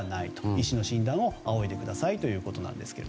医師の診断をあおいでくださいということです。